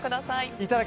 いただき！